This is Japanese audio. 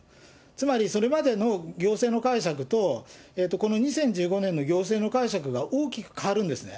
つまりそれまでの行政の解釈と、この２０１５年の行政の解釈が大きく変わるんですね。